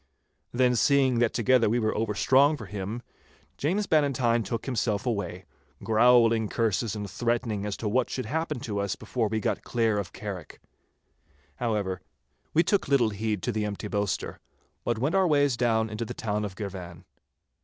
Then seeing that together we were overstrong for him, James Bannatyne took himself away, growling curses and threatenings as to what should happen to us before we got clear of Carrick. However, we took little heed to the empty boaster, but went our ways down into the town of Girvan.